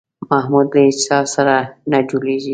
محمود له هېچا سره نه جوړېږي.